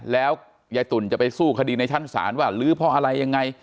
แล้วยายตุ๋นจะไปสู้คดีในชั้นศาลว่าลื้อเพราะอะไรยังไง